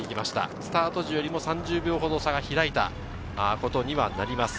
スタート時よりも３０秒ほど差が開いたことになります。